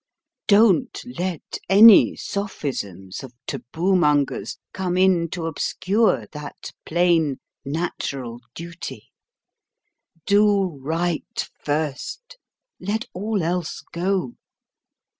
Don't let any sophisms of taboo mongers come in to obscure that plain natural duty. Do right first; let all else go.